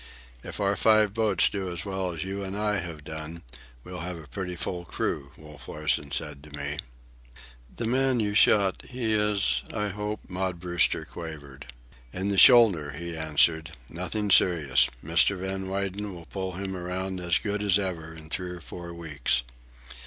"If our five boats do as well as you and I have done, we'll have a pretty full crew," Wolf Larsen said to me. "The man you shot—he is—I hope?" Maud Brewster quavered. "In the shoulder," he answered. "Nothing serious, Mr. Van Weyden will pull him around as good as ever in three or four weeks."